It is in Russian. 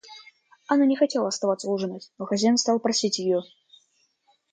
Анна не хотела оставаться ужинать, но хозяин стал просить ее.